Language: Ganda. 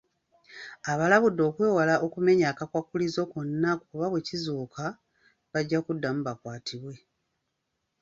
Abalabudde okwewala okumenya akakwakkulizo konna kuba bwe kizuuka, bajja kuddamu bakwatibwe.